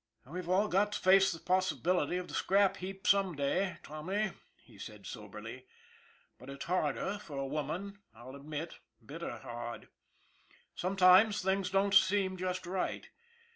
:< We've all got to face the possibility of the scrap heap some day, Tommy," he said soberly. " But it's harder for a woman, I'll admit bitter hard. Some times things don't seem just right.